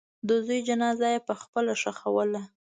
د زوی جنازه یې پخپله ښخوله.